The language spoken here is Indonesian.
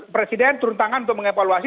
presiden turun tangan untuk mengevaluasi